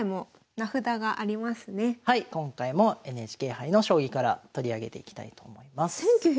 今回もＮＨＫ杯の将棋から取り上げていきたいと思います。